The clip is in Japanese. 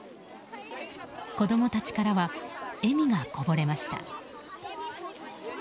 子供たちからは笑みがこぼれました。